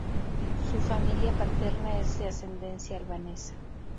Su familia paterna es de ascendencia albanesa.